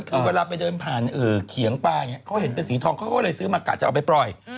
คือเวลาไปเดินผ่านเขียงปลาอย่างนี้เขาเห็นเป็นสีทองเขาก็เลยซื้อมากะจะเอาไปปล่อย